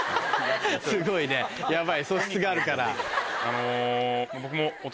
すごいねヤバい素質があるから。